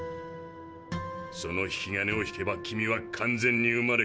その引き金を引けば君は完全に生まれ変わる。